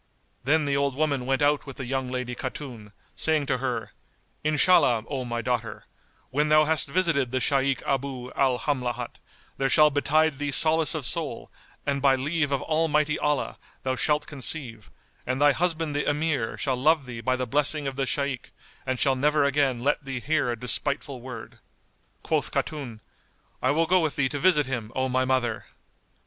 Then the old woman went out with the young lady Khatun, saying to her, "Inshallah, O my daughter, when thou hast visited the Shaykh Abu al Hamlat, there shall betide thee solace of soul and by leave of Almighty Allah thou shalt conceive, and thy husband the Emir shall love thee by the blessing of the Shaykh and shall never again let thee hear a despiteful word." Quoth Khatun, "I will go with thee to visit him, O my mother!"